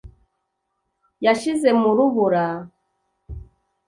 yashize mu rubura